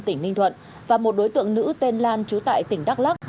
tỉnh ninh thuận và một đối tượng nữ tên lan chú tại tỉnh đắk lắc